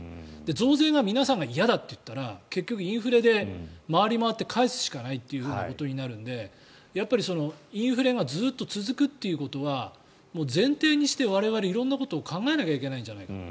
増税が皆さんが嫌だと言ったら結局、インフレで回りまわって返すしかないということになるのでやっぱりインフレがずっと続くということは前提にして我々、色んなことを考えなきゃいけないんじゃないかと。